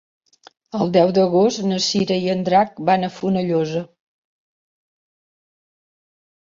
El deu d'agost na Cira i en Drac van a Fonollosa.